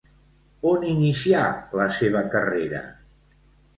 On inicià la seva carrera?